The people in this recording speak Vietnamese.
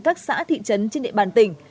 các xã thị trấn trên địa bàn tỉnh